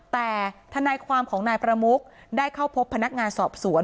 แต่ทนายความของนายประมุกได้เข้าพบพนักงานสอบสวน